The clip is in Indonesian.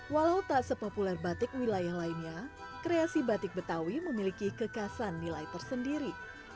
walau tak sepopuler batik wilayah lainnya kreasi batik betawi memiliki kekasan nilai tersendiri